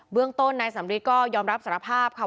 เรื่องต้นนายสำริทก็ยอมรับสารภาพค่ะ